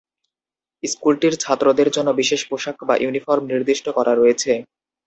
স্কুলটির ছাত্রদের জন্য বিশেষ পোশাক বা ইউনিফর্ম নির্দিষ্ট করা রয়েছে।